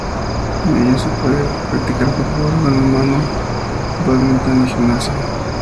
En ellas se puede practicar fútbol, balonmano, bádminton y gimnasia.